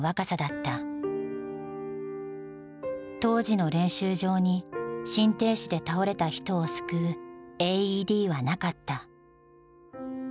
当時の練習場に心停止で倒れた人を救うＡＥＤはなかった。